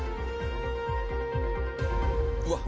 うわっ！